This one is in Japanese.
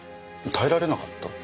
耐えられなかった？